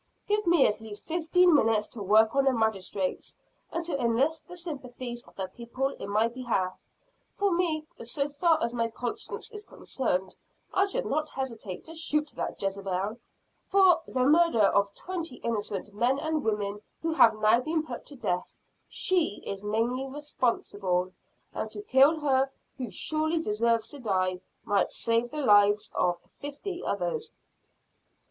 "Give me at least fifteen minutes to work on the Magistrates, and to enlist the sympathies of the people in my behalf. For me, so far as my conscience is concerned, I should not hesitate to shoot that Jezebel. For the murder of the twenty innocent men and women who have now been put to death, she is mainly responsible. And to kill her who surely deserves to die, might save the lives of fifty others."